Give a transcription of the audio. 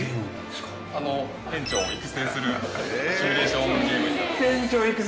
・店長を育成するシミュレ―ションゲ―ムになってます。